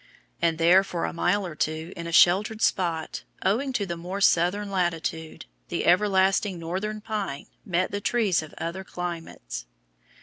And there, for a mile or two in a sheltered spot, owing to the more southern latitude, the everlasting northern pine met the trees of other climates.